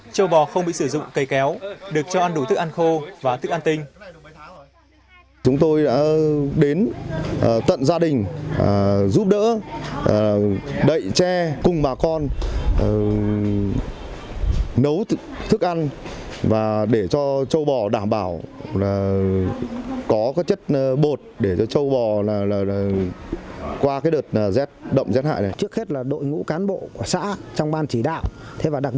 trâu bò không bị sử dụng cây kéo được cho ăn đủ thức ăn khô và thức ăn tinh